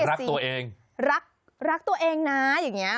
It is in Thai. รักตัวเองรักรักตัวเองนะอย่างเงี้